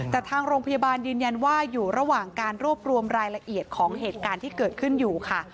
แต่ทางโรงพยาบาลยืนยันว่าอยู่ระหว่างการรวบรวมรายละเอียดของเหตุการณ์ที่เกิดขึ้นอยู่ค่ะ